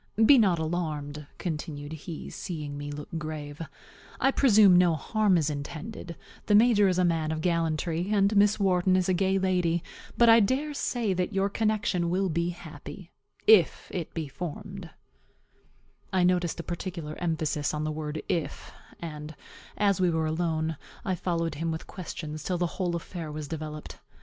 Be not alarmed," continued he, seeing me look grave; "I presume no harm is intended; the major is a man of gallantry, and Miss Wharton is a gay lady; but I dare say that your connection will be happy, if it be formed" I noticed a particular emphasis on the word if; and, as we were alone, I followed him with questions till the whole affair was developed.